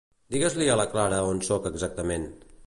Digues-li a la Clara on soc exactament.